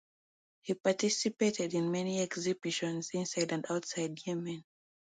He participated in many exhibitions inside and outside Yemen.